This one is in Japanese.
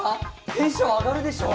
テンション上がるでしょ？